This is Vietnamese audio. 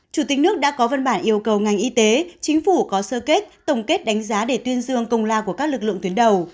chủ tịch nước đã có văn bản yêu cầu ngành y tế chính phủ có sơ kết tổng kết đánh giá để tuyên dương công la của các lực lượng tuyến đầu